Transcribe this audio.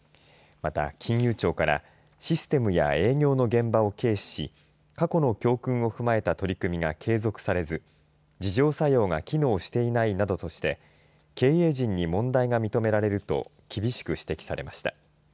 また、金融庁からシステムや営業の現場を軽視し過去の教訓を踏まえた取り組みが継続されず自浄作用が機能していないなどとして経営陣に問題が認められると厳しく指摘されました。